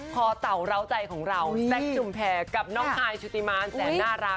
เต่าเหล้าใจของเราแซคจุมแพรกับน้องฮายชุติมานแสนน่ารัก